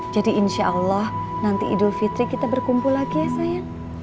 jadi insya allah nanti idul fitri kita berkumpul lagi ya sayang